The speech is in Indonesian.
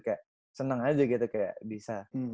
kayak seneng aja gitu kayak bisa